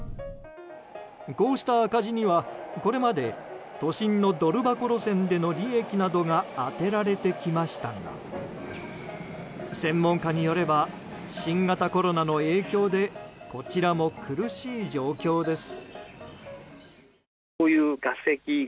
こうした赤字には、これまで都心のドル箱路線での利益などが充てられてきましたが専門家によれば新型コロナの影響でこちらも苦しい状況です。